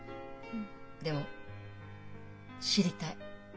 でも知りたい。